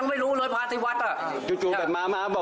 ไม่รู้เรื่องแต่ทั้งพ่ายังไม่รู้เลยพาธิวัฒน์อ่ะ